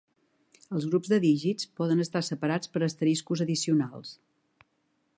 Els grups de dígits poden estar separats per asteriscos addicionals.